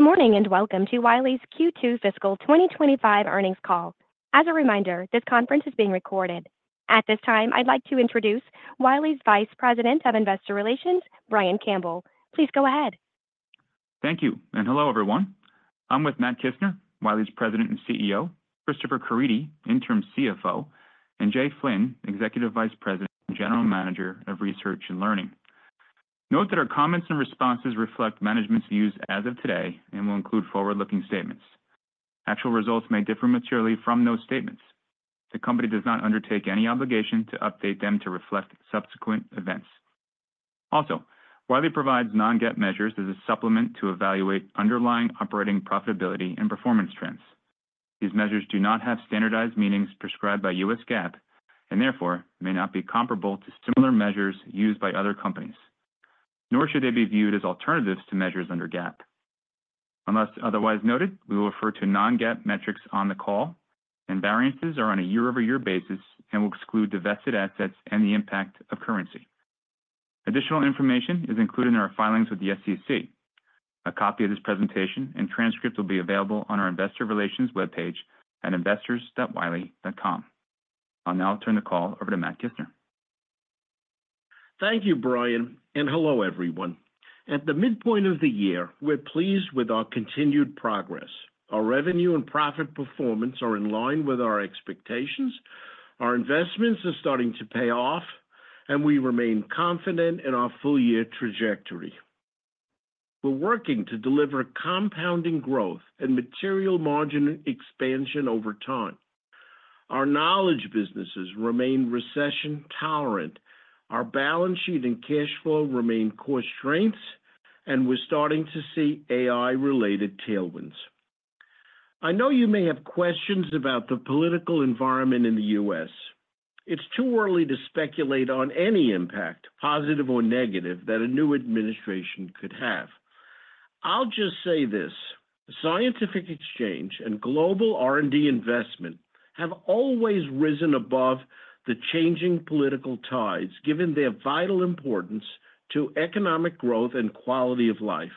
Good morning and welcome to Wiley's Q2 Fiscal 2025 earnings call. As a reminder, this conference is being recorded. At this time, I'd like to introduce Wiley's Vice President of Investor Relations, Brian Campbell. Please go ahead. Thank you, and hello, everyone. I'm with Matt Kissner, Wiley's President and CEO, Christopher Caridi, Interim CFO, and Jay Flynn, Executive Vice President and General Manager of Research and Learning. Note that our comments and responses reflect management's views as of today and will include forward-looking statements. Actual results may differ materially from those statements. The company does not undertake any obligation to update them to reflect subsequent events. Also, Wiley provides non-GAAP measures as a supplement to evaluate underlying operating profitability and performance trends. These measures do not have standardized meanings prescribed by U.S. GAAP and therefore may not be comparable to similar measures used by other companies, nor should they be viewed as alternatives to measures under GAAP. Unless otherwise noted, we will refer to non-GAAP metrics on the call, and variances are on a year-over-year basis and will exclude divested assets and the impact of currency. Additional information is included in our filings with the SEC. A copy of this presentation and transcript will be available on our Investor Relations webpage at investors.wiley.com. I'll now turn the call over to Matt Kissner. Thank you, Brian. And hello, everyone. At the midpoint of the year, we're pleased with our continued progress. Our revenue and profit performance are in line with our expectations. Our investments are starting to pay off, and we remain confident in our full-year trajectory. We're working to deliver compounding growth and material margin expansion over time. Our knowledge businesses remain recession-tolerant. Our balance sheet and cash flow remain core strengths, and we're starting to see AI-related tailwinds. I know you may have questions about the political environment in the U.S. It's too early to speculate on any impact, positive or negative, that a new administration could have. I'll just say this: scientific exchange and global R&D investment have always risen above the changing political tides, given their vital importance to economic growth and quality of life.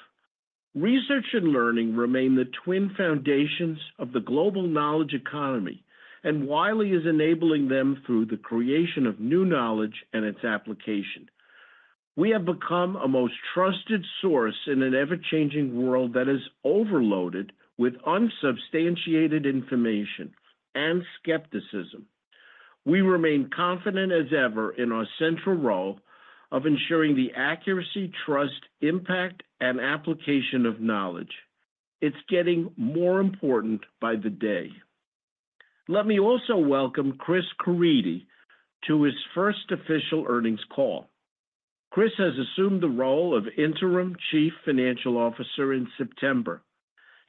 Research and learning remain the twin foundations of the global knowledge economy, and Wiley is enabling them through the creation of new knowledge and its application. We have become a most trusted source in an ever-changing world that is overloaded with unsubstantiated information and skepticism. We remain confident as ever in our central role of ensuring the accuracy, trust, impact, and application of knowledge. It's getting more important by the day. Let me also welcome Chris Caridi to his first official earnings call. Chris has assumed the role of Interim Chief Financial Officer in September.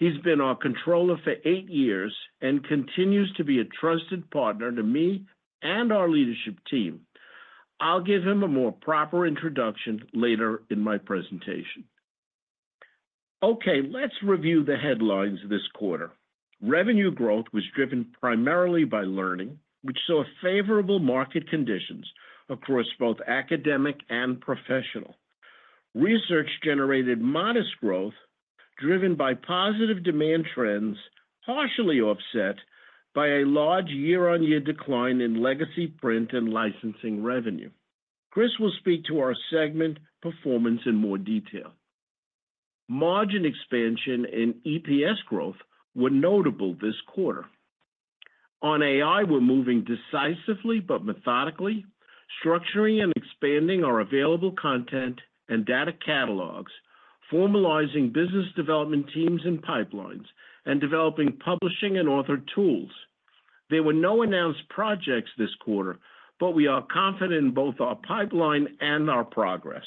He's been our controller for eight years and continues to be a trusted partner to me and our leadership team. I'll give him a more proper introduction later in my presentation. Okay, let's review the headlines this quarter. Revenue growth was driven primarily by learning, which saw favorable market conditions across both academic and professional. Research generated modest growth driven by positive demand trends, partially offset by a large year-on-year decline in legacy print and licensing revenue. Chris will speak to our segment performance in more detail. Margin expansion and EPS growth were notable this quarter. On AI, we're moving decisively but methodically, structuring and expanding our available content and data catalogs, formalizing business development teams and pipelines, and developing publishing and author tools. There were no announced projects this quarter, but we are confident in both our pipeline and our progress.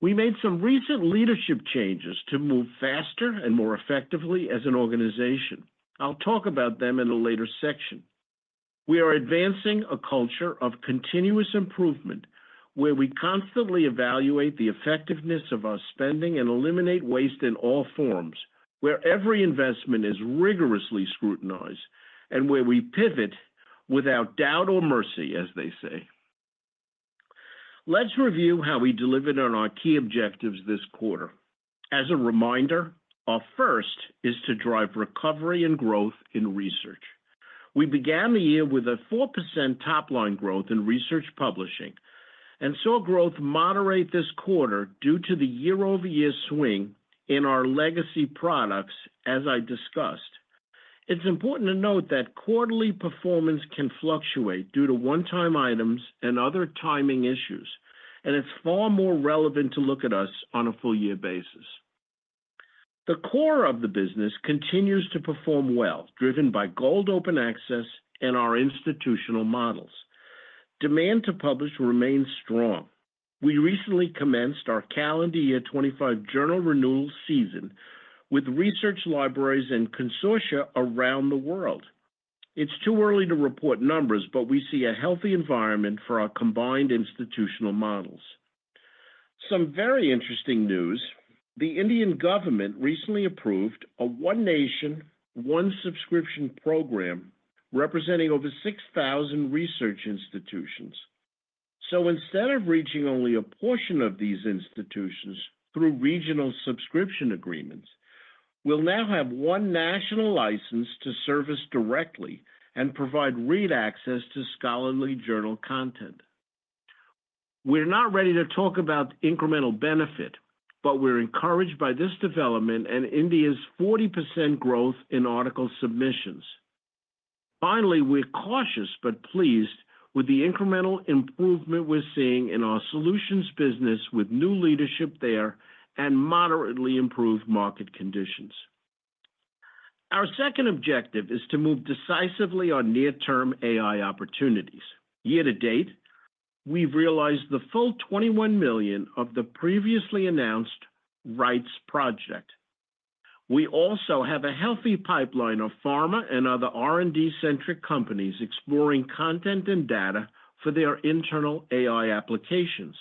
We made some recent leadership changes to move faster and more effectively as an organization. I'll talk about them in a later section. We are advancing a culture of continuous improvement where we constantly evaluate the effectiveness of our spending and eliminate waste in all forms, where every investment is rigorously scrutinized, and where we pivot without doubt or mercy, as they say. Let's review how we delivered on our key objectives this quarter. As a reminder, our first is to drive recovery and growth in research. We began the year with a 4% top-line growth in research publishing and saw growth moderate this quarter due to the year-over-year swing in our legacy products, as I discussed. It's important to note that quarterly performance can fluctuate due to one-time items and other timing issues, and it's far more relevant to look at us on a full-year basis. The core of the business continues to perform well, driven by gold open access and our institutional models. Demand to publish remains strong. We recently commenced our calendar year 2025 journal renewal season with research libraries and consortia around the world. It's too early to report numbers, but we see a healthy environment for our combined institutional models. Some very interesting news: the Indian government recently approved a One Nation, One Subscription program representing over 6,000 research institutions. So instead of reaching only a portion of these institutions through regional subscription agreements, we'll now have one national license to service directly and provide read access to scholarly journal content. We're not ready to talk about incremental benefit, but we're encouraged by this development and India's 40% growth in article submissions. Finally, we're cautious but pleased with the incremental improvement we're seeing in our solutions business with new leadership there and moderately improved market conditions. Our second objective is to move decisively on near-term AI opportunities. Year to date, we've realized the full $21 million of the previously announced rights project. We also have a healthy pipeline of pharma and other R&D-centric companies exploring content and data for their internal AI applications.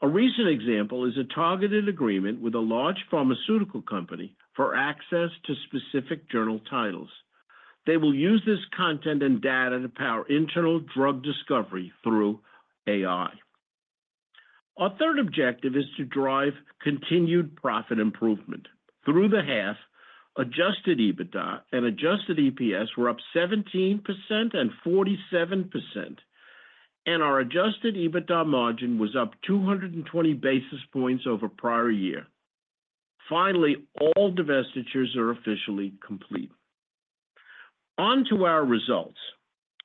A recent example is a targeted agreement with a large pharmaceutical company for access to specific journal titles. They will use this content and data to power internal drug discovery through AI. Our third objective is to drive continued profit improvement. Through the half, Adjusted EBITDA and Adjusted EPS were up 17% and 47%, and our Adjusted EBITDA margin was up 220 basis points over prior year. Finally, all divestitures are officially complete. On to our results.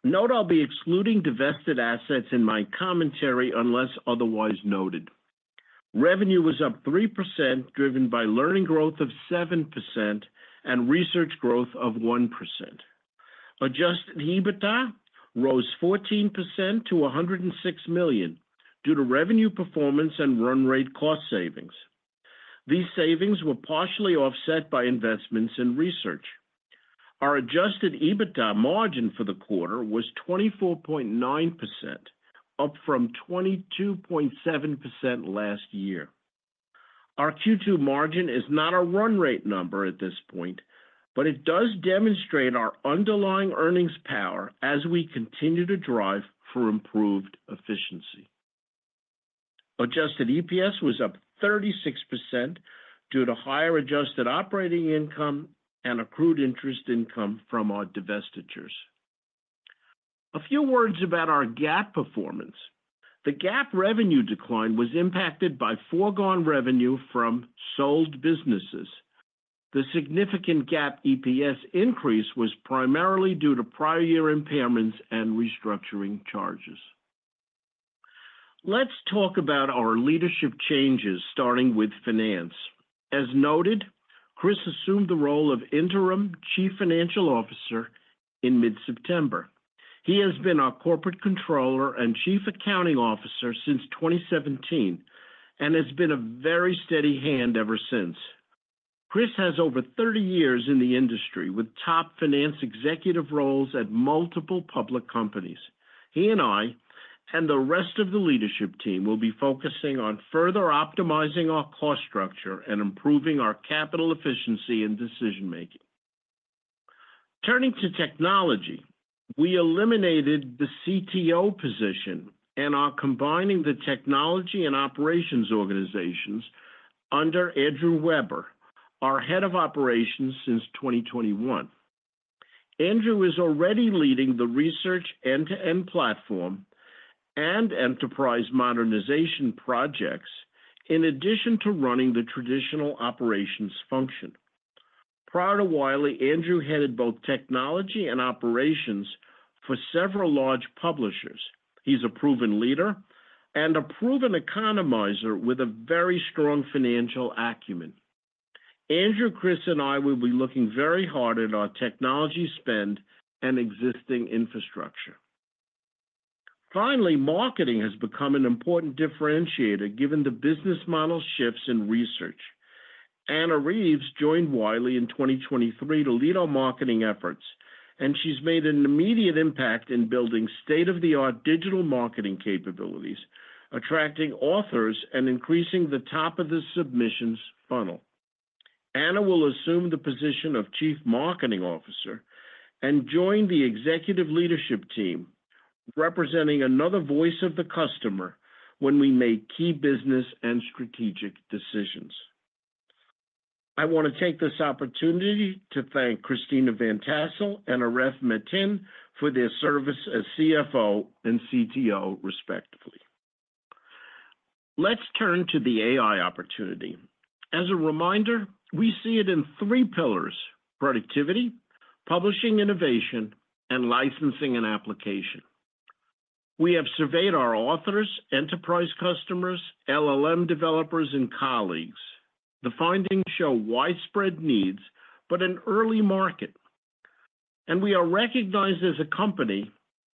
Note, I'll be excluding divested assets in my commentary unless otherwise noted. Revenue was up 3%, driven by learning growth of 7% and research growth of 1%. Adjusted EBITDA rose 14% to $106 million due to revenue performance and run rate cost savings. These savings were partially offset by investments in research. Our Adjusted EBITDA margin for the quarter was 24.9%, up from 22.7% last year. Our Q2 margin is not our run rate number at this point, but it does demonstrate our underlying earnings power as we continue to drive for improved efficiency. Adjusted EPS was up 36% due to higher adjusted operating income and accrued interest income from our divestitures. A few words about our GAAP performance. The GAAP revenue decline was impacted by foregone revenue from sold businesses. The significant GAAP EPS increase was primarily due to prior-year impairments and restructuring charges. Let's talk about our leadership changes, starting with finance. As noted, Chris assumed the role of Interim Chief Financial Officer in mid-September. He has been our Corporate Controller and Chief Accounting Officer since 2017 and has been a very steady hand ever since. Chris has over 30 years in the industry with top finance executive roles at multiple public companies. He and I and the rest of the leadership team will be focusing on further optimizing our cost structure and improving our capital efficiency and decision-making. Turning to technology, we eliminated the CTO position and are combining the technology and operations organizations under Andrew Weber, our Head of Operations since 2021. Andrew is already leading the research end-to-end platform and enterprise modernization projects in addition to running the traditional operations function. Prior to Wiley, Andrew headed both technology and operations for several large publishers. He's a proven leader and a proven economizer with a very strong financial acumen. Andrew, Chris, and I will be looking very hard at our technology spend and existing infrastructure. Finally, marketing has become an important differentiator given the business model shifts in research. Anna Reeves joined Wiley in 2023 to lead our marketing efforts, and she's made an immediate impact in building state-of-the-art digital marketing capabilities, attracting authors and increasing the top of the submissions funnel. Anna will assume the position of Chief Marketing Officer and join the executive leadership team, representing another voice of the customer when we make key business and strategic decisions. I want to take this opportunity to thank Christina Van Tassell and Aref Matin for their service as CFO and CTO, respectively. Let's turn to the AI opportunity. As a reminder, we see it in three pillars: productivity, publishing innovation, and licensing and application. We have surveyed our authors, enterprise customers, LLM developers, and colleagues. The findings show widespread needs, but an early market, and we are recognized as a company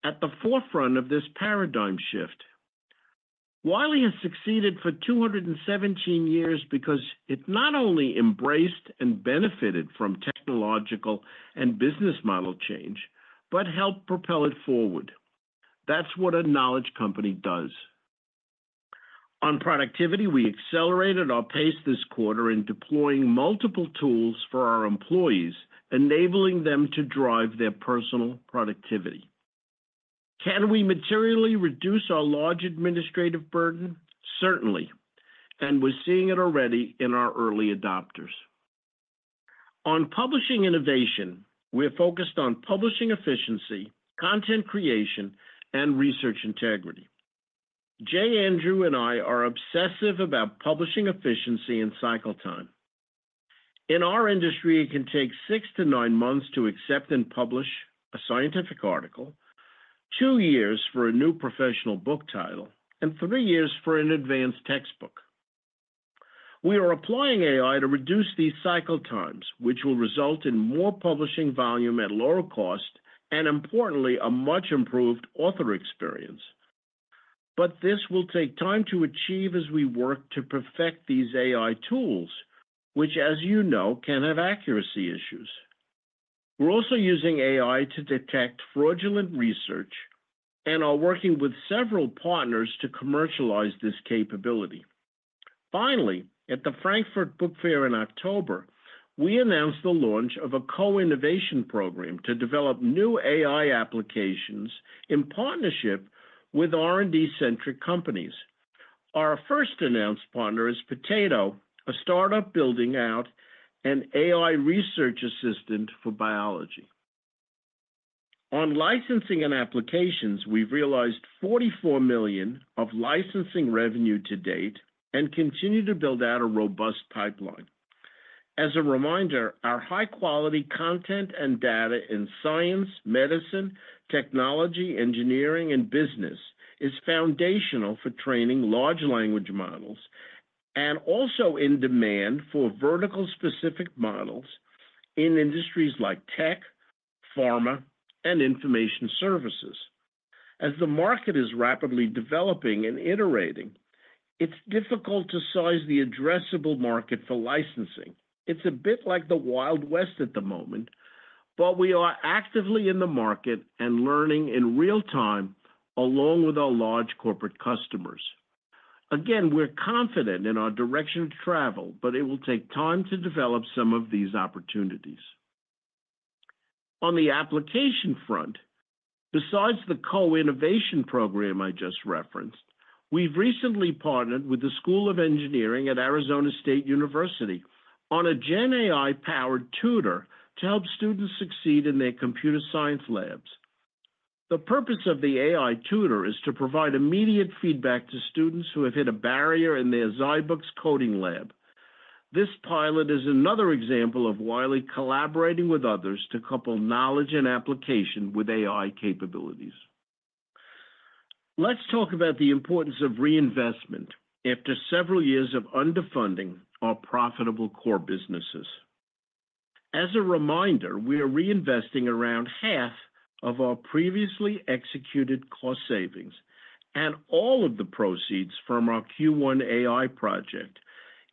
at the forefront of this paradigm shift. Wiley has succeeded for 217 years because it not only embraced and benefited from technological and business model change, but helped propel it forward. That's what a knowledge company does. On productivity, we accelerated our pace this quarter in deploying multiple tools for our employees, enabling them to drive their personal productivity. Can we materially reduce our large administrative burden? Certainly, and we're seeing it already in our early adopters. On publishing innovation, we're focused on publishing efficiency, content creation, and research integrity. Jay, Andrew, and I are obsessive about publishing efficiency and cycle time. In our industry, it can take six to nine months to accept and publish a scientific article, two years for a new professional book title, and three years for an advanced textbook. We are applying AI to reduce these cycle times, which will result in more publishing volume at lower cost and, importantly, a much improved author experience. But this will take time to achieve as we work to perfect these AI tools, which, as you know, can have accuracy issues. We're also using AI to detect fraudulent research, and are working with several partners to commercialize this capability. Finally, at the Frankfurt Book Fair in October, we announced the launch of a co-innovation program to develop new AI applications in partnership with R&D-centric companies. Our first announced partner is Potato, a startup building out an AI research assistant for biology. On licensing and applications, we've realized $44 million of licensing revenue to date and continue to build out a robust pipeline. As a reminder, our high-quality content and data in science, medicine, technology, engineering, and business is foundational for training large language models and also in demand for vertical-specific models in industries like tech, pharma, and information services. As the market is rapidly developing and iterating, it's difficult to size the addressable market for licensing. It's a bit like the Wild West at the moment, but we are actively in the market and learning in real time along with our large corporate customers. Again, we're confident in our direction to travel, but it will take time to develop some of these opportunities. On the application front, besides the co-innovation program I just referenced, we've recently partnered with the School of Engineering at Arizona State University on a GenAI-powered tutor to help students succeed in their computer science labs. The purpose of the AI tutor is to provide immediate feedback to students who have hit a barrier in their ZyBooks coding lab. This pilot is another example of Wiley collaborating with others to couple knowledge and application with AI capabilities. Let's talk about the importance of reinvestment after several years of underfunding our profitable core businesses. As a reminder, we are reinvesting around half of our previously executed cost savings and all of the proceeds from our Q1 AI project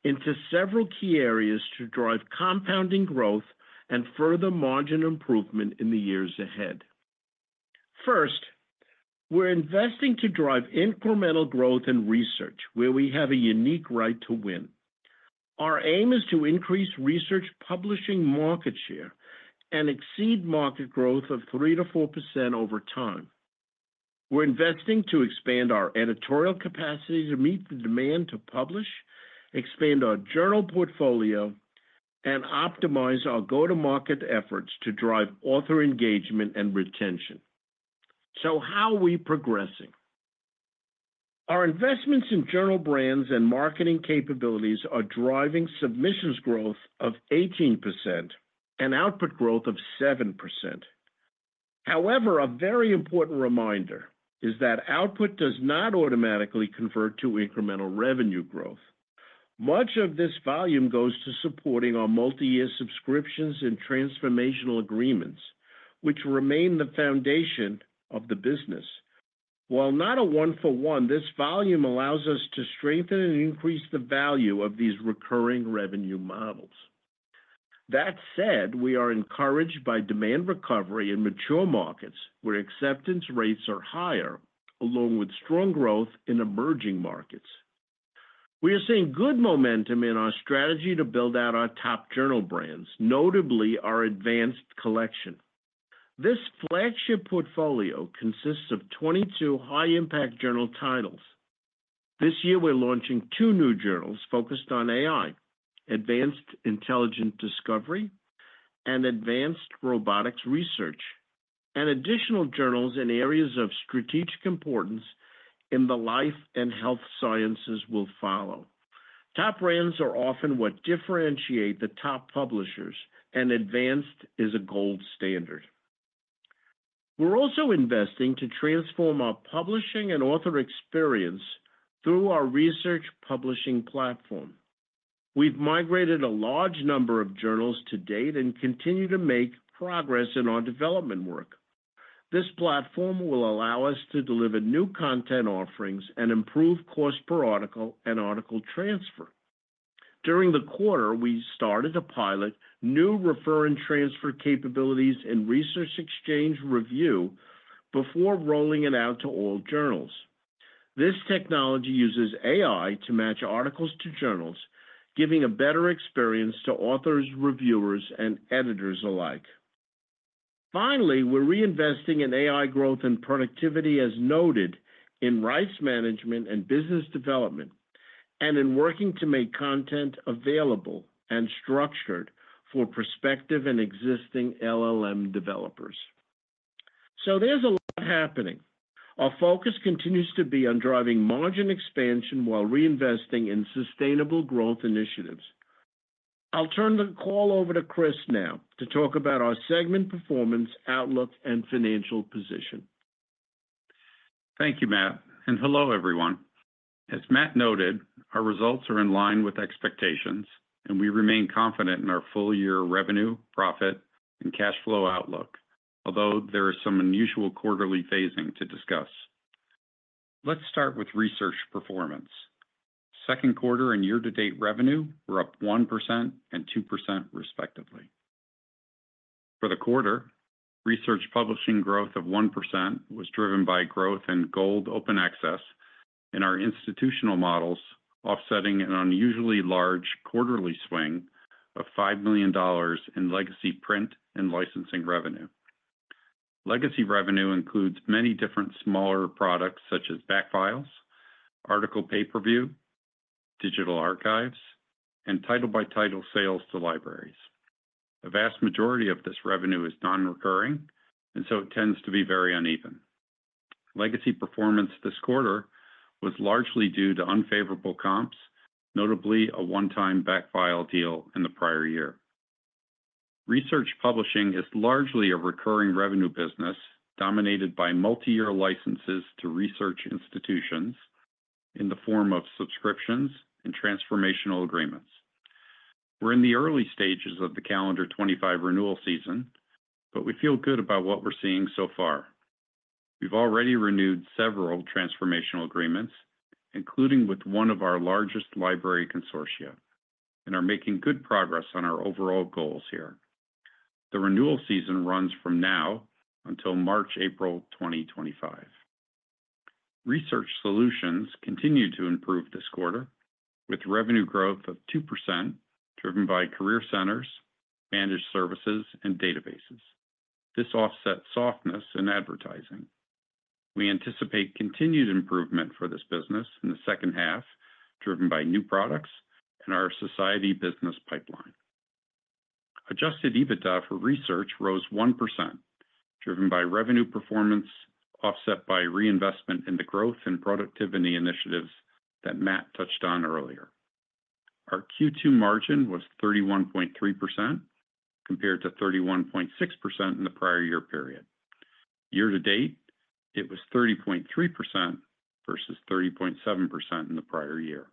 into several key areas to drive compounding growth and further margin improvement in the years ahead. First, we're investing to drive incremental growth in research where we have a unique right to win. Our aim is to increase research publishing market share and exceed market growth of 3%-4% over time. We're investing to expand our editorial capacity to meet the demand to publish, expand our journal portfolio, and optimize our go-to-market efforts to drive author engagement and retention. So how are we progressing? Our investments in journal brands and marketing capabilities are driving submissions growth of 18% and output growth of 7%. However, a very important reminder is that output does not automatically convert to incremental revenue growth. Much of this volume goes to supporting our multi-year subscriptions and transformational agreements, which remain the foundation of the business. While not a one-for-one, this volume allows us to strengthen and increase the value of these recurring revenue models. That said, we are encouraged by demand recovery in mature markets where acceptance rates are higher, along with strong growth in emerging markets. We are seeing good momentum in our strategy to build out our top journal brands, notably our Advanced Collection. This flagship portfolio consists of 22 high-impact journal titles. This year, we're launching two new journals focused on AI, Advanced Intelligent Discovery, and Advanced Robotics Research, and additional journals in areas of strategic importance in the life and health sciences will follow. Top brands are often what differentiate the top publishers, and Advanced is a gold standard. We're also investing to transform our publishing and author experience through our research publishing platform. We've migrated a large number of journals to date and continue to make progress in our development work. This platform will allow us to deliver new content offerings and improve cost per article and article transfer. During the quarter, we started a pilot, new refer and transfer capabilities in Research Exchange review before rolling it out to all journals. This technology uses AI to match articles to journals, giving a better experience to authors, reviewers, and editors alike. Finally, we're reinvesting in AI growth and productivity, as noted, in rights management and business development, and in working to make content available and structured for prospective and existing LLM developers, so there's a lot happening. Our focus continues to be on driving margin expansion while reinvesting in sustainable growth initiatives. I'll turn the call over to Chris now to talk about our segment performance, outlook, and financial position. Thank you, Matt, and hello, everyone. As Matt noted, our results are in line with expectations, and we remain confident in our full-year revenue, profit, and cash flow outlook, although there is some unusual quarterly phasing to discuss. Let's start with research performance. Second quarter and year-to-date revenue were up 1% and 2%, respectively. For the quarter, research publishing growth of 1% was driven by growth in gold open access in our institutional models, offsetting an unusually large quarterly swing of $5 million in legacy print and licensing revenue. Legacy revenue includes many different smaller products such as backfile, article pay-per-view, digital archives, and title-by-title sales to libraries. A vast majority of this revenue is non-recurring, and so it tends to be very uneven. Legacy performance this quarter was largely due to unfavorable comps, notably a one-time backfile deal in the prior year. Research publishing is largely a recurring revenue business dominated by multi-year licenses to research institutions in the form of subscriptions and transformational agreements. We're in the early stages of the calendar 2025 renewal season, but we feel good about what we're seeing so far. We've already renewed several transformational agreements, including with one of our largest library consortia, and are making good progress on our overall goals here. The renewal season runs from now until March-April 2025. Research solutions continue to improve this quarter, with revenue growth of 2% driven by career centers, managed services, and databases. This offsets softness in advertising. We anticipate continued improvement for this business in the second half, driven by new products and our society business pipeline. Adjusted EBITDA for research rose 1%, driven by revenue performance offset by reinvestment in the growth and productivity initiatives that Matt touched on earlier. Our Q2 margin was 31.3% compared to 31.6% in the prior year period. Year-to-date, it was 30.3% versus 30.7% in the prior year.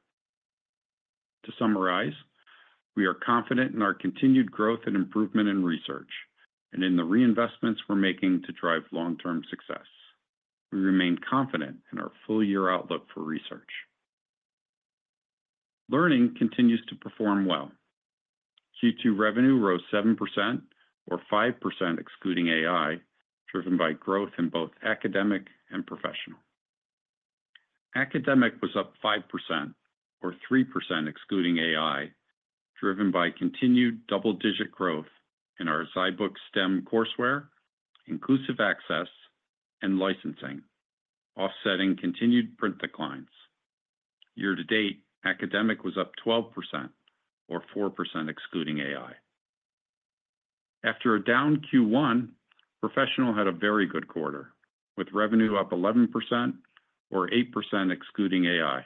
To summarize, we are confident in our continued growth and improvement in research and in the reinvestments we're making to drive long-term success. We remain confident in our full-year outlook for research. Learning continues to perform well. Q2 revenue rose 7% or 5% excluding AI, driven by growth in both academic and professional. Academic was up 5% or 3% excluding AI, driven by continued double-digit growth in our ZyBooks STEM courseware, inclusive access, and licensing, offsetting continued print declines. Year-to-date, academic was up 12% or 4% excluding AI. After a down Q1, professional had a very good quarter, with revenue up 11% or 8% excluding AI.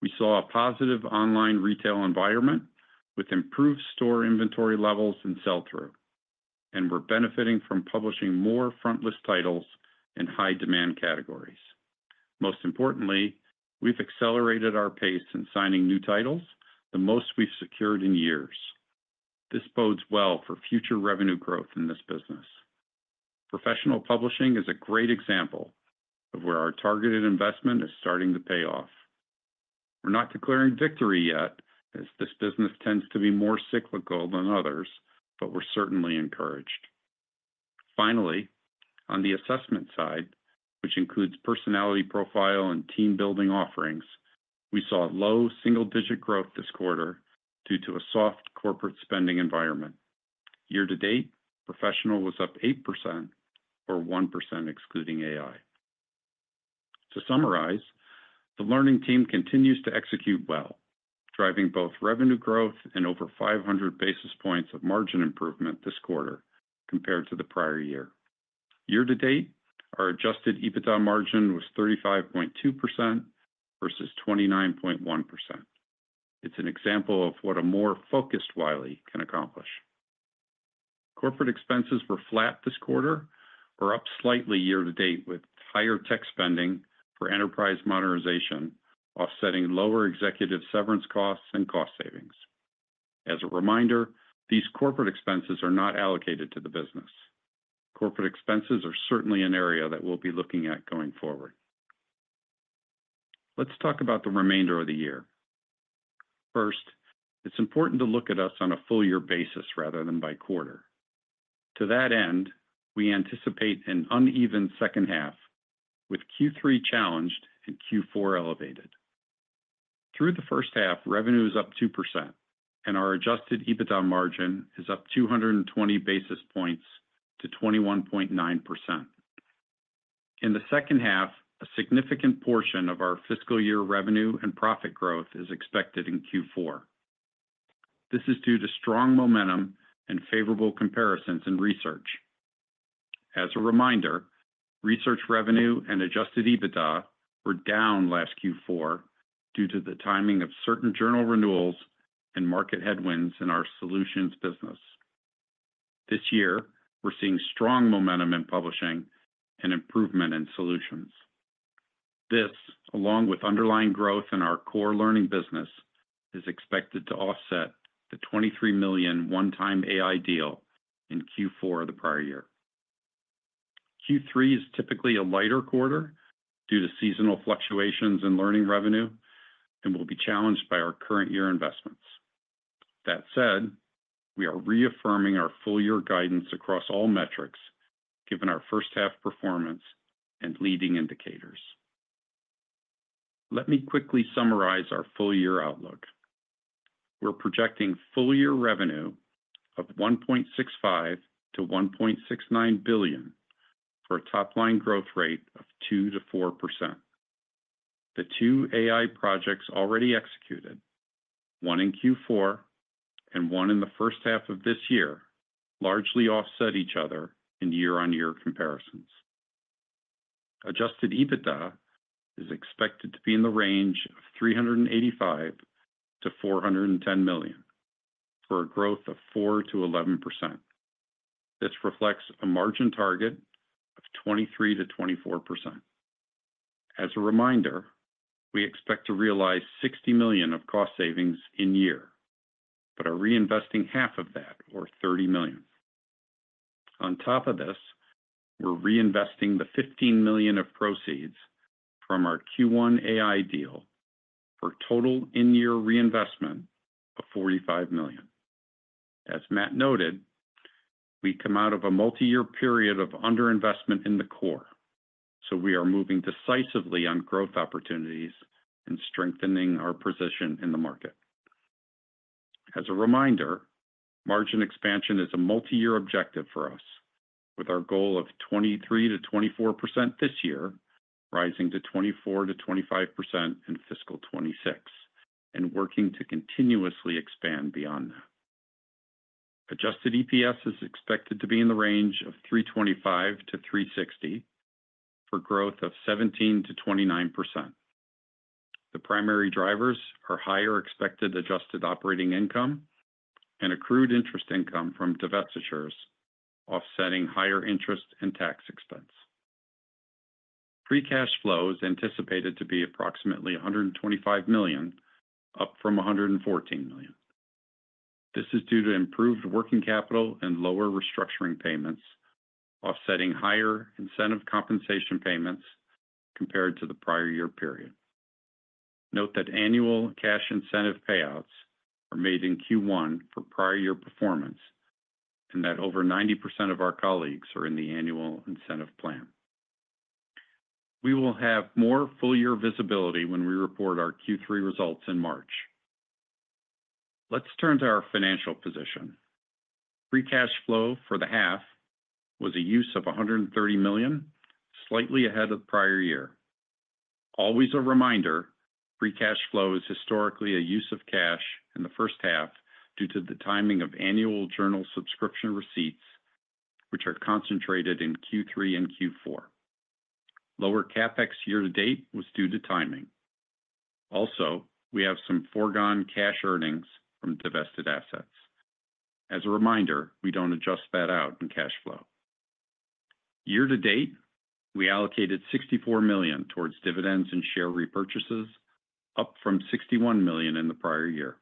We saw a positive online retail environment with improved store inventory levels and sell-through, and we're benefiting from publishing more frontlist titles in high-demand categories. Most importantly, we've accelerated our pace in signing new titles, the most we've secured in years. This bodes well for future revenue growth in this business. Professional publishing is a great example of where our targeted investment is starting to pay off. We're not declaring victory yet, as this business tends to be more cyclical than others, but we're certainly encouraged. Finally, on the assessment side, which includes personality profile and team-building offerings, we saw low single-digit growth this quarter due to a soft corporate spending environment. Year-to-date, professional was up 8% or 1% excluding AI. To summarize, the learning team continues to execute well, driving both revenue growth and over 500 basis points of margin improvement this quarter compared to the prior year. Year-to-date, our adjusted EBITDA margin was 35.2% versus 29.1%. It's an example of what a more focused Wiley can accomplish. Corporate expenses were flat this quarter, but up slightly year-to-date with higher tech spending for enterprise modernization, offsetting lower executive severance costs and cost savings. As a reminder, these corporate expenses are not allocated to the business. Corporate expenses are certainly an area that we'll be looking at going forward. Let's talk about the remainder of the year. First, it's important to look at us on a full-year basis rather than by quarter. To that end, we anticipate an uneven second half, with Q3 challenged and Q4 elevated. Through the first half, revenue is up 2%, and our Adjusted EBITDA margin is up 220 basis points to 21.9%. In the second half, a significant portion of our fiscal year revenue and profit growth is expected in Q4. This is due to strong momentum and favorable comparisons in research. As a reminder, research revenue and Adjusted EBITDA were down last Q4 due to the timing of certain journal renewals and market headwinds in our solutions business. This year, we're seeing strong momentum in publishing and improvement in solutions. This, along with underlying growth in our core learning business, is expected to offset the $23 million one-time AI deal in Q4 of the prior year. Q3 is typically a lighter quarter due to seasonal fluctuations in learning revenue and will be challenged by our current year investments. That said, we are reaffirming our full-year guidance across all metrics, given our first-half performance and leading indicators. Let me quickly summarize our full-year outlook. We're projecting full-year revenue of $1.65-$1.69 billion for a top-line growth rate of 2-4%. The two AI projects already executed, one in Q4 and one in the first half of this year, largely offset each other in year-on-year comparisons. Adjusted EBITDA is expected to be in the range of $385-$410 million for a growth of 4-11%. This reflects a margin target of 23-24%. As a reminder, we expect to realize $60 million of cost savings in year, but are reinvesting half of that, or $30 million. On top of this, we're reinvesting the $15 million of proceeds from our Q1 AI deal for total in-year reinvestment of $45 million. As Matt noted, we come out of a multi-year period of underinvestment in the core, so we are moving decisively on growth opportunities and strengthening our position in the market. As a reminder, margin expansion is a multi-year objective for us, with our goal of 23%-24% this year rising to 24%-25% in fiscal 2026 and working to continuously expand beyond that. Adjusted EPS is expected to be in the range of 325-360 for growth of 17%-29%. The primary drivers are higher expected adjusted operating income and accrued interest income from divestitures, offsetting higher interest and tax expense. Free cash flow is anticipated to be approximately $125 million, up from $114 million. This is due to improved working capital and lower restructuring payments, offsetting higher incentive compensation payments compared to the prior year period. Note that annual cash incentive payouts are made in Q1 for prior year performance and that over 90% of our colleagues are in the annual incentive plan. We will have more full-year visibility when we report our Q3 results in March. Let's turn to our financial position. Free cash flow for the half was a use of $130 million, slightly ahead of the prior year. always, a reminder, free cash flow is historically a use of cash in the first half due to the timing of annual journal subscription receipts, which are concentrated in Q3 and Q4. Lower CapEx year-to-date was due to timing. Also, we have some foregone cash earnings from divested assets. As a reminder, we don't adjust that out in cash flow. Year-to-date, we allocated $64 million towards dividends and share repurchases, up from $61 million in the prior year.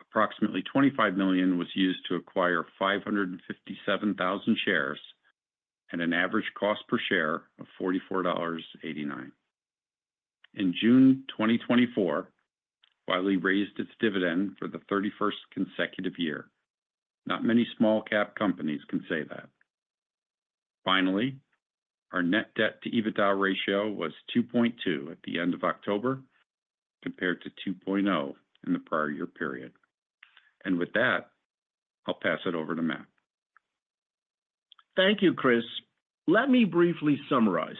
Approximately $25 million was used to acquire 557,000 shares at an average cost per share of $44.89. In June 2024, Wiley raised its dividend for the 31st consecutive year. Not many small-cap companies can say that. Finally, our net debt-to-EBITDA ratio was 2.2 at the end of October compared to 2.0 in the prior year period. With that, I'll pass it over to Matt. Thank you, Chris. Let me briefly summarize.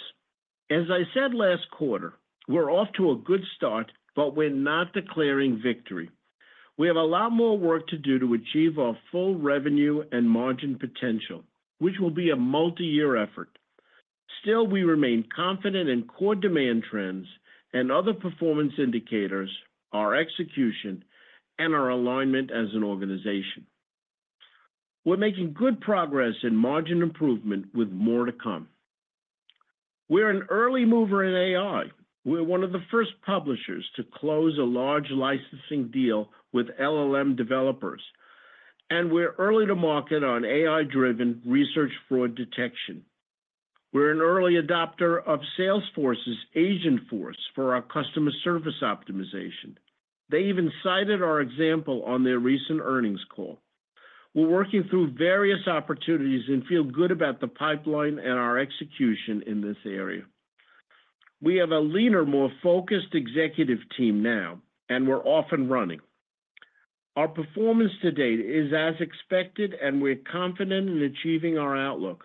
As I said last quarter, we're off to a good start, but we're not declaring victory. We have a lot more work to do to achieve our full revenue and margin potential, which will be a multi-year effort. Still, we remain confident in core demand trends and other performance indicators, our execution, and our alignment as an organization. We're making good progress in margin improvement with more to come. We're an early mover in AI. We're one of the first publishers to close a large licensing deal with LLM developers, and we're early to market on AI-driven research fraud detection. We're an early adopter of Salesforce's Agentforce for our customer service optimization. They even cited our example on their recent earnings call. We're working through various opportunities and feel good about the pipeline and our execution in this area. We have a leaner, more focused executive team now, and we're off and running. Our performance to date is as expected, and we're confident in achieving our outlook.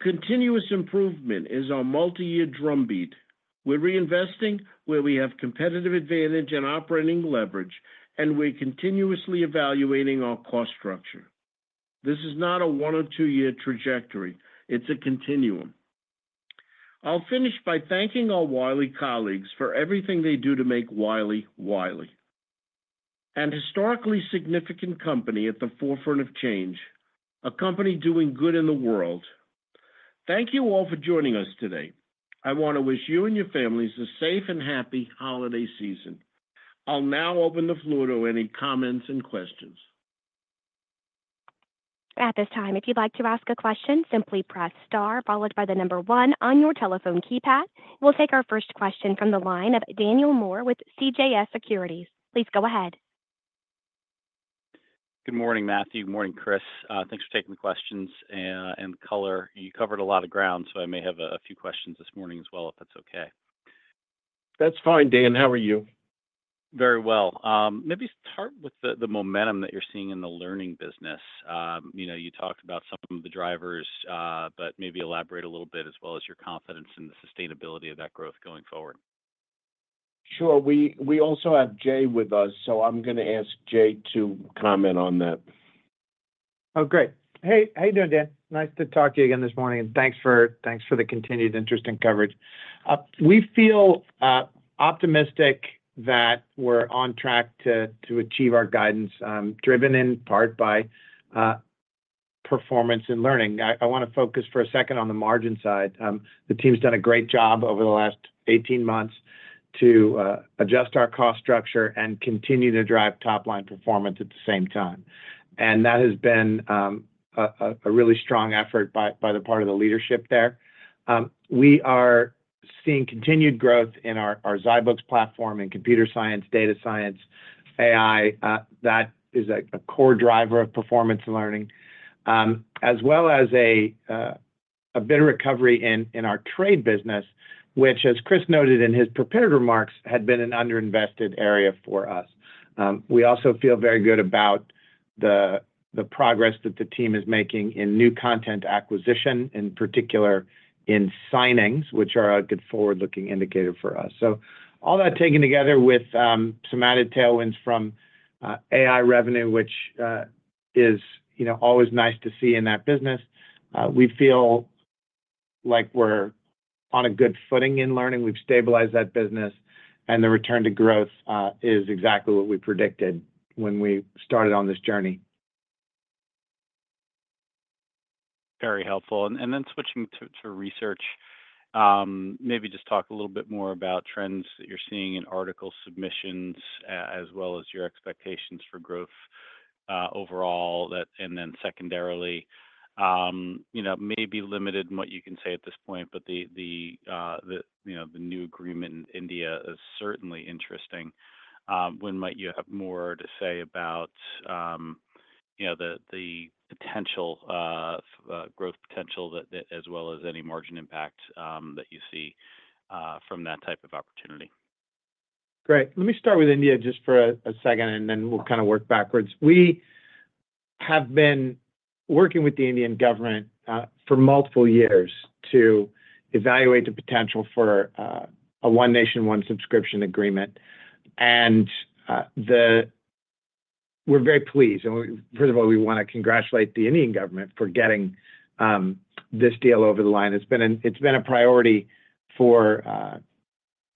Continuous improvement is our multi-year drumbeat. We're reinvesting where we have competitive advantage and operating leverage, and we're continuously evaluating our cost structure. This is not a one or two-year trajectory. It's a continuum. I'll finish by thanking our Wiley colleagues for everything they do to make Wiley Wiley. A historically significant company at the forefront of change, a company doing good in the world. Thank you all for joining us today. I want to wish you and your families a safe and happy holiday season. I'll now open the floor to any comments and questions. At this time, if you'd like to ask a question, simply press star, followed by the number one on your telephone keypad. We'll take our first question from the line of Daniel Moore with CJS Securities. Please go ahead. Good morning, Matthew. Good morning, Chris. Thanks for taking the questions and the color. You covered a lot of ground, so I may have a few questions this morning as well, if that's okay. That's fine, Dan. How are you? Very well. Maybe start with the momentum that you're seeing in the learning business. You talked about some of the drivers, but maybe elaborate a little bit as well as your confidence in the sustainability of that growth going forward. Sure. We also have Jay with us, so I'm going to ask Jay to comment on that. Oh, great. Hey, hey there, Dan. Nice to talk to you again this morning, and thanks for the continued interest in coverage. We feel optimistic that we're on track to achieve our guidance, driven in part by Research and Learning. I want to focus for a second on the margin side. The team's done a great job over the last 18 months to adjust our cost structure and continue to drive top-line performance at the same time, and that has been a really strong effort on the part of the leadership there. We are seeing continued growth in our ZyBooks platform in computer science, data science, AI. That is a core driver of Research and Learning, as well as a bit of recovery in our trade business, which, as Chris noted in his prepared remarks, had been an underinvested area for us. We also feel very good about the progress that the team is making in new content acquisition, in particular in signings, which are a good forward-looking indicator for us. So all that taken together with some added tailwinds from AI revenue, which is always nice to see in that business, we feel like we're on a good footing in learning. We've stabilized that business, and the return to growth is exactly what we predicted when we started on this journey. Very helpful. And then switching to research, maybe just talk a little bit more about trends that you're seeing in article submissions, as well as your expectations for growth overall. And then secondarily, maybe limited in what you can say at this point, but the new agreement in India is certainly interesting. When might you have more to say about the potential growth potential, as well as any margin impact that you see from that type of opportunity? Great. Let me start with India just for a second, and then we'll kind of work backwards. We have been working with the Indian government for multiple years to evaluate the potential for a One Nation, One Subscription agreement, and we're very pleased, and first of all, we want to congratulate the Indian government for getting this deal over the line. It's been a priority for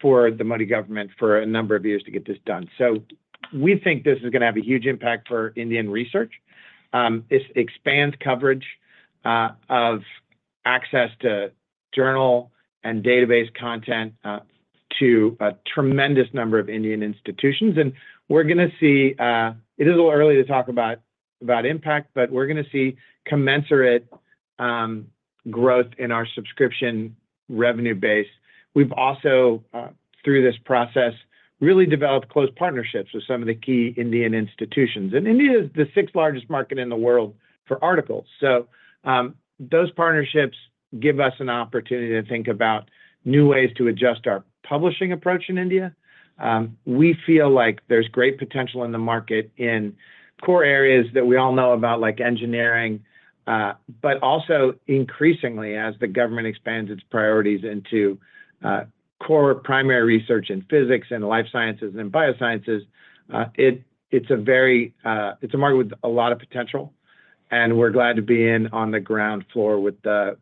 the Modi government for a number of years to get this done, so we think this is going to have a huge impact for Indian research. It expands coverage of access to journal and database content to a tremendous number of Indian institutions, and we're going to see it is a little early to talk about impact, but we're going to see commensurate growth in our subscription revenue base. We've also, through this process, really developed close partnerships with some of the key Indian institutions, and India is the sixth largest market in the world for articles. Those partnerships give us an opportunity to think about new ways to adjust our publishing approach in India. We feel like there's great potential in the market in core areas that we all know about, like engineering, but also increasingly as the government expands its priorities into core primary research in physics and life sciences and biosciences. It's a market with a lot of potential. We're glad to be in on the ground floor with the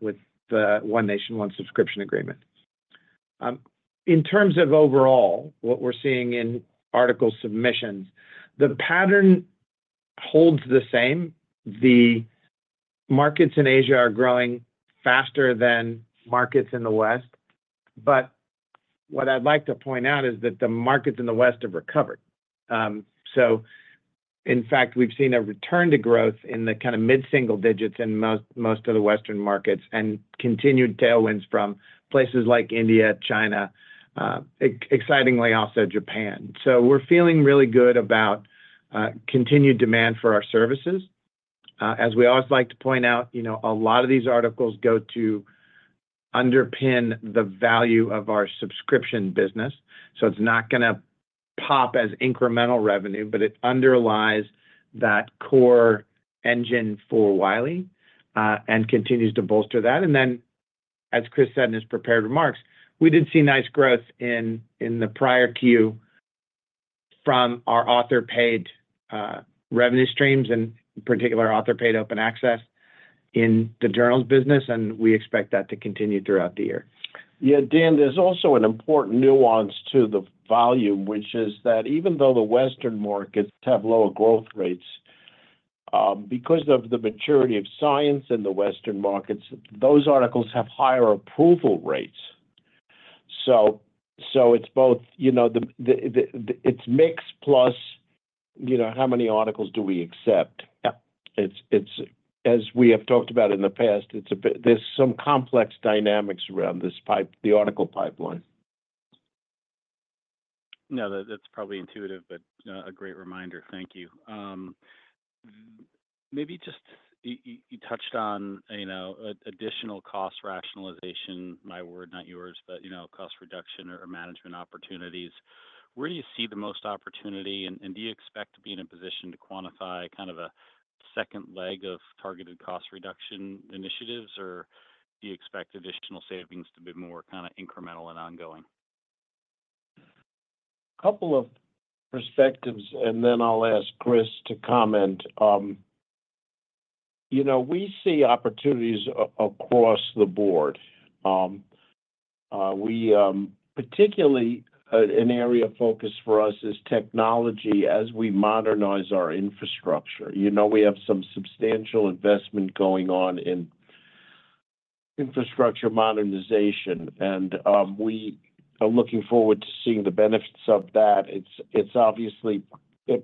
One Nation, One Subscription agreement. In terms of overall what we're seeing in article submissions, the pattern holds the same. The markets in Asia are growing faster than markets in the West. But what I'd like to point out is that the markets in the West have recovered. So in fact, we've seen a return to growth in the kind of mid-single digits in most of the Western markets and continued tailwinds from places like India, China, excitingly also Japan. So we're feeling really good about continued demand for our services. As we always like to point out, a lot of these articles go to underpin the value of our subscription business. So it's not going to pop as incremental revenue, but it underlies that core engine for Wiley and continues to bolster that. And then, as Chris said in his prepared remarks, we did see nice growth in the prior quarter from our author-paid revenue streams, and in particular, author-paid open access in the journals business. And we expect that to continue throughout the year. Yeah, Dan, there's also an important nuance to the volume, which is that even though the Western markets have lower growth rates, because of the maturity of science in the Western markets, those articles have higher approval rates. So it's both it's mixed plus how many articles do we accept. As we have talked about in the past, there's some complex dynamics around the article pipeline. No, that's probably intuitive, but a great reminder. Thank you. Maybe just you touched on additional cost rationalization, my word, not yours, but cost reduction or management opportunities. Where do you see the most opportunity? And do you expect to be in a position to quantify kind of a second leg of targeted cost reduction initiatives, or do you expect additional savings to be more kind of incremental and ongoing? Couple of perspectives, and then I'll ask Chris to comment. We see opportunities across the board. Particularly, an area of focus for us is technology as we modernize our infrastructure. We have some substantial investment going on in infrastructure modernization, and we are looking forward to seeing the benefits of that. It's obviously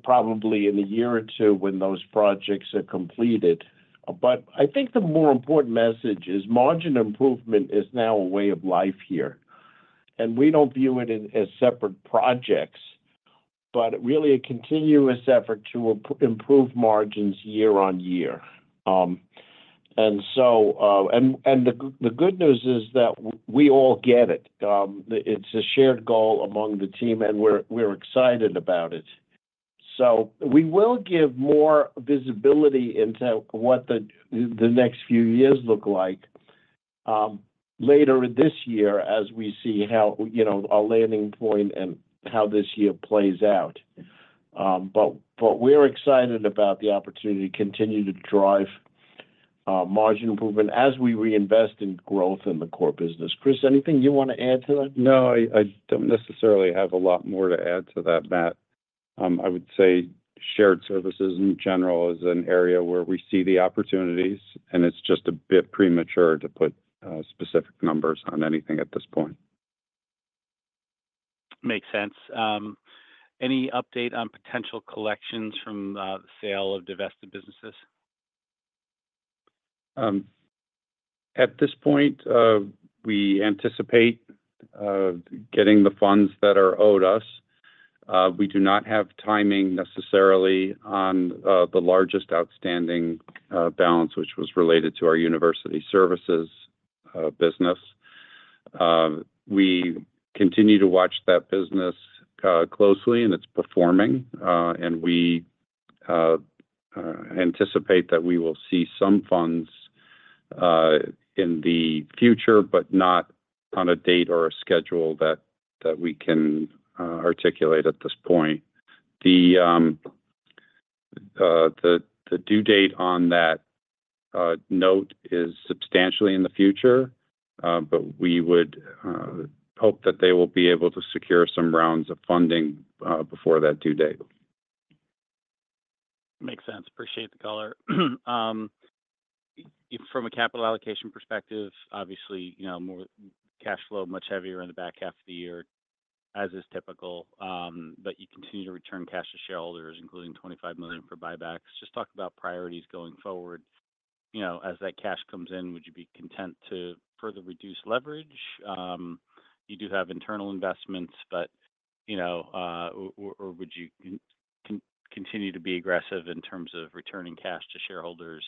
probably in a year or two when those projects are completed. But I think the more important message is margin improvement is now a way of life here. And we don't view it as separate projects, but really a continuous effort to improve margins year on year. And the good news is that we all get it. It's a shared goal among the team, and we're excited about it. So we will give more visibility into what the next few years look like later this year as we see how our landing point and how this year plays out. But we're excited about the opportunity to continue to drive margin improvement as we reinvest in growth in the core business. Chris, anything you want to add to that? No, I don't necessarily have a lot more to add to that, Matt. I would say shared services in general is an area where we see the opportunities, and it's just a bit premature to put specific numbers on anything at this point. Makes sense. Any update on potential collections from the sale of divested businesses? At this point, we anticipate getting the funds that are owed us. We do not have timing necessarily on the largest outstanding balance, which was related to our university services business. We continue to watch that business closely, and it's performing. We anticipate that we will see some funds in the future, but not on a date or a schedule that we can articulate at this point. The due date on that note is substantially in the future, but we would hope that they will be able to secure some rounds of funding before that due date. Makes sense. Appreciate the color. From a capital allocation perspective, obviously, more cash flow, much heavier in the back half of the year, as is typical. You continue to return cash to shareholders, including $25 million for buybacks. Just talk about priorities going forward. As that cash comes in, would you be content to further reduce leverage? You do have internal investments, but would you continue to be aggressive in terms of returning cash to shareholders,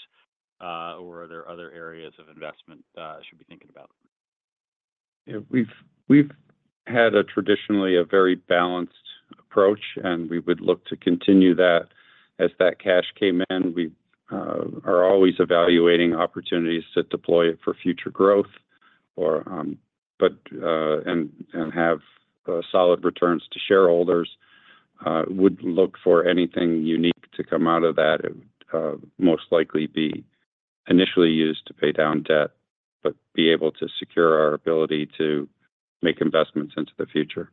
or are there other areas of investment that should be thinking about? We've had traditionally a very balanced approach, and we would look to continue that. As that cash came in, we are always evaluating opportunities to deploy it for future growth, and have solid returns to shareholders. Would look for anything unique to come out of that. It would most likely be initially used to pay down debt, but be able to secure our ability to make investments into the future.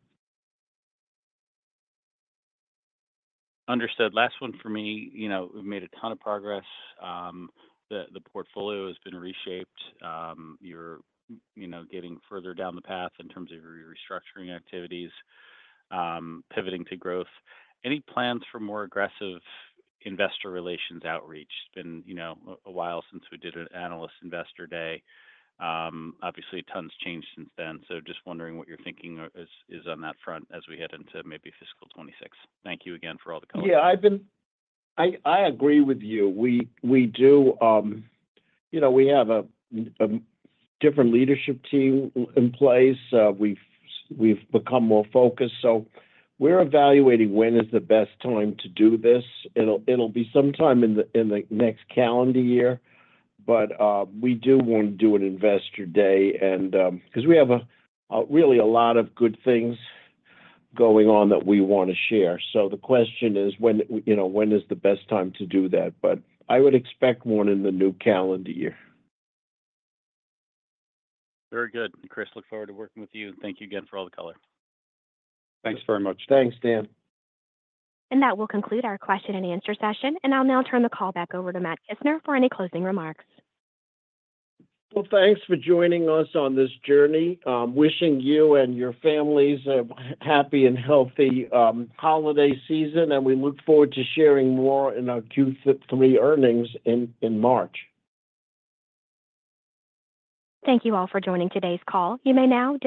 Understood. Last one for me. We've made a ton of progress. The portfolio has been reshaped. You're getting further down the path in terms of your restructuring activities, pivoting to growth. Any plans for more aggressive investor relations outreach? It's been a while since we did an analyst investor day. Obviously, tons changed since then. So just wondering what your thinking is on that front as we head into maybe Fiscal 2026. Thank you again for all the color. Yeah, I agree with you. We do. We have a different leadership team in place. We've become more focused. So we're evaluating when is the best time to do this. It'll be sometime in the next calendar year, but we do want to do an investor day because we have really a lot of good things going on that we want to share. So the question is, when is the best time to do that? But I would expect one in the new calendar year. Very good. Chris, look forward to working with you. Thank you again for all the color. Thanks very much. Thanks, Dan. And that will conclude our question and answer session. And I'll now turn the call back over to Matt Kissner for any closing remarks. Well, thanks for joining us on this journey. Wishing you and your families a happy and healthy holiday season, and we look forward to sharing more in our Q3 earnings in March. Thank you all for joining today's call. You may now.